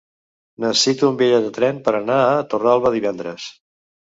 Necessito un bitllet de tren per anar a Torralba divendres.